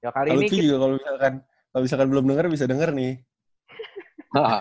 kalau itu juga kalau misalkan belum denger bisa denger nih